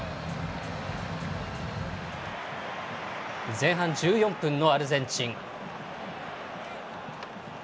前半１４分のアルゼンチン。